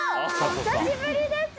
久しぶりです！